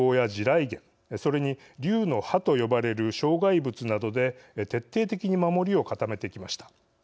それに竜の歯と呼ばれる障害物などで徹底的に守りを固めてきました。